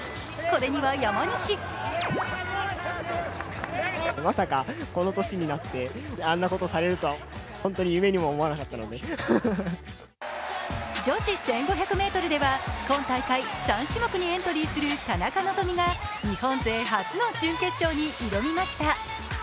これには山西女子１５００ｍでは今大会３種目にエントリーする田中希実が日本勢初の準決勝に挑みました。